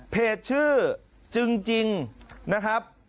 เพจชื่อจึงนะครับ